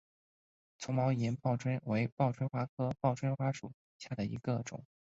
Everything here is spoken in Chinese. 丛毛岩报春为报春花科报春花属下的一个种。